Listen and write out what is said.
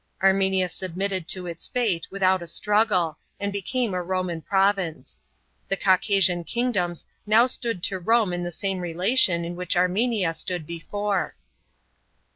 Armenia submit' ed to rs late without a struggle, and became a Roman province. The Caucasian kingdoms now stood to Rome in the same relation in which Armenia had stood before.